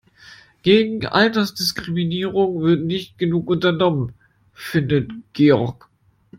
Gegen Altersdiskriminierung wird nicht genug unternommen, findet Georg.